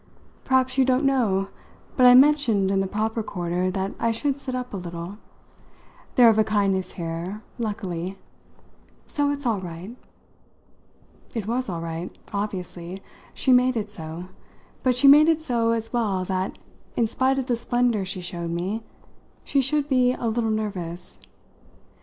"Perhaps you don't know but I mentioned in the proper quarter that I should sit up a little. They're of a kindness here, luckily ! So it's all right." It was all right, obviously she made it so; but she made it so as well that, in spite of the splendour she showed me, she should be a little nervous.